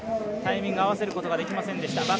タイミング合わせることができませんでした